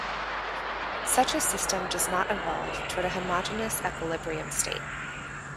Such a system does not evolve toward a homogeneous equilibrium state.